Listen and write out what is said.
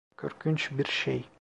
Korkunç bir şey.